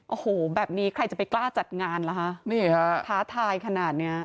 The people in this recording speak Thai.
โอ้โหแบบนี้ใครจะไปกล้าจัดงานล่ะฮะท้าทายขนาดนี้